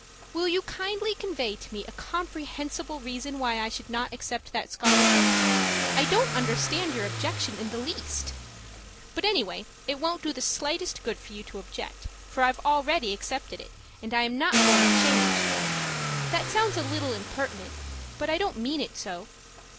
Will you kindly convey to me a comprehensible reason why I should not accept that scholarship? I don't understand your objection in the least. But anyway, it won't do the slightest good for you to object, for I've already accepted it and I am not going to change! That sounds a little impertinent, but I don't mean it so.